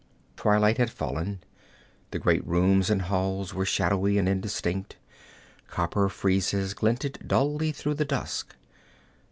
Twilight had fallen. The great rooms and halls were shadowy and indistinct; copper friezes glinted dully through the dusk.